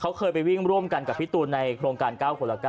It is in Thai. เขาเคยไปวิ่งร่วมกันกับพี่ตูนในโครงการ๙คนละ๙